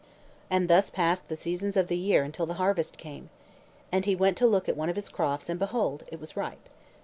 And thus passed the seasons of the year until the harvest came. And he went to look at one of his crofts, and, behold, it was ripe.